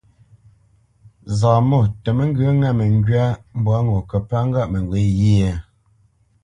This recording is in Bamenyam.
Zaamɔ̂ tə mə́ ŋgyə̌ ŋá məŋgywá mbwǎ ŋo kə́ pə́ŋgâʼ mə ŋgywě ghyê ?